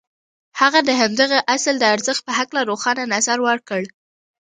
هغه د همدغه اصل د ارزښت په هکله روښانه نظر ورکړ.